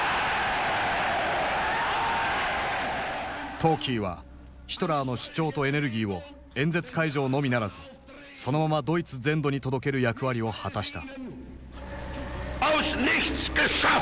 トーキーはヒトラーの主張とエネルギーを演説会場のみならずそのままドイツ全土に届ける役割を果たした。